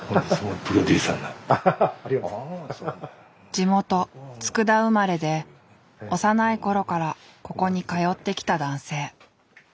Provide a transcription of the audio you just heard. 地元佃生まれで幼い頃からここに通ってきた男性。